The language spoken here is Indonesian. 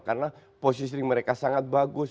karena posisi mereka sangat bagus